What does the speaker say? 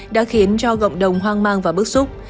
đã khiến cho cộng đồng hoang mang và bức xúc